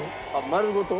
丸ごと。